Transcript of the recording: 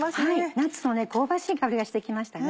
ナッツの香ばしい香りがして来ましたね。